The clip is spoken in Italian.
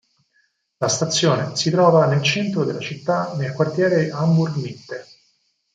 La stazione si trova nel centro della città nel quartiere Hamburg-Mitte.